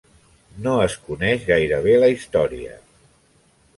No es coneix gairebé la història.